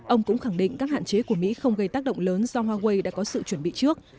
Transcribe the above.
ông cũng khẳng định các hạn chế của mỹ không gây tác động lớn do huawei đã có sự chuẩn bị trước